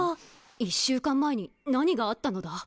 １週間前に何があったのだ？